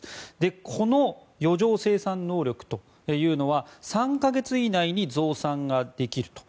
この余剰生産能力というのは３か月以内に増産ができると。